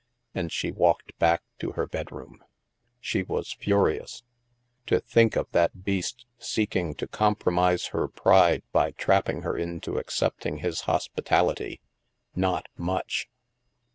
And she walked back to her bedroom. She was furious. To think of that beast seek ing to compromise her pride by trapping her into accepting his hospitality ! Not much